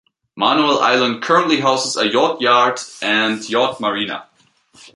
Manoel Island currently houses a yacht yard and yacht marina.